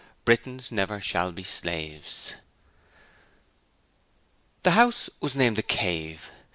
Britons Never shall be Slaves The house was named 'The Cave'.